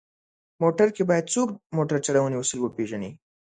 موټر کې باید څوک موټر چلونې اصول وپېژني.